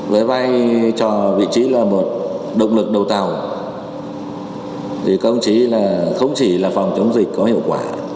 với vai trò vị trí là một động lực đầu tàu thì công trí là không chỉ là phòng chống dịch có hiệu quả